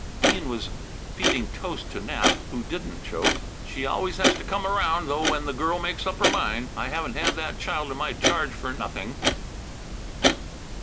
Bean was feeding toast to Nap, who didn't choke. "She always has to come around though when the girl makes up her mind. I haven't had that child in my charge for nothing."